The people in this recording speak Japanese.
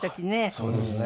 そうですね。